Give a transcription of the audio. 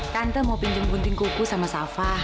tante mau pinjung gunting kuku sama safa